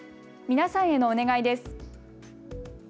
皆さんへのお願いです。